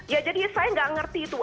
ya jadi saya tidak mengerti itu